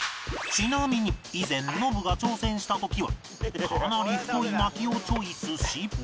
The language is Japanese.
ちなみに以前ノブが挑戦した時はかなり太い薪をチョイスし